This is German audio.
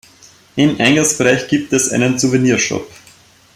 Im Eingangsbereich gibt es einen Souvenir-Shop.